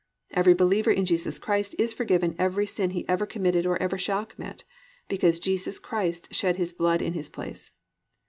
Every believer in Jesus Christ is forgiven every sin he ever committed or ever shall commit, because Jesus Christ shed His blood in his place.